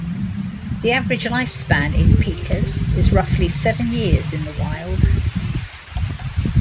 The average lifespan in pikas is roughly seven years in the wild.